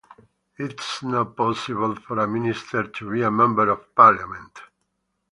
It is not possible for a minister to be a member of parliament.